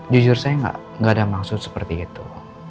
jujur saya gak ada maksud seperti itu